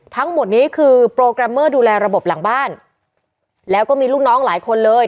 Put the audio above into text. ทั้งหมดนี้คือโปรแกรมเมอร์ดูแลระบบหลังบ้านแล้วก็มีลูกน้องหลายคนเลย